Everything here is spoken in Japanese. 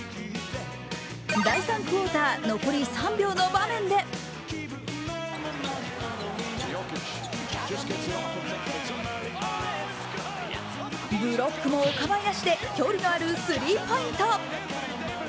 第３クオーター残り３秒の場面でブロックもお構いなしで、距離のあるスリーポイント。